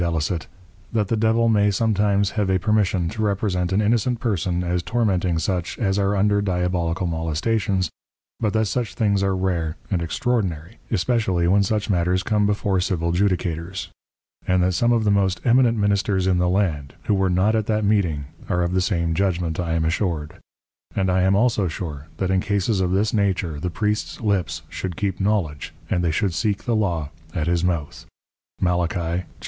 _ _That the Devil may sometimes have a Permission to represent an innocent Person as tormenting such as are under Diabolical Molestations; but that such things are rare and extraordinary, especially when such Matters come before Civil Judicatures:_ And that some of the most eminent Ministers in the Land, who were not at that Meeting are of the same Judgment, I am assured: And I am also sure, that in Cases of this nature the Priest's Lips should keep Knowledge, and they should seek the Law at his Mouth, Mal. 2.7. Arg.